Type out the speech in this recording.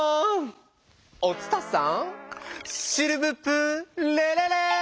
お伝さんシルヴプレレレ！